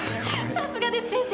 さすがです先生。